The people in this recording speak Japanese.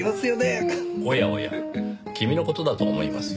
おやおや君の事だと思いますよ。